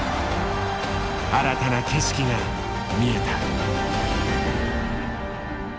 新たな景色が見えた。